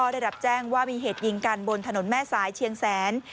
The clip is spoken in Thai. ได้รับแจ้งว่ามีเหตุยิงกันบนถนนแม่สายเชียงแสน